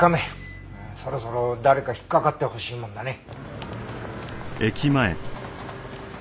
そろそろ誰か引っかかってほしいもんだね。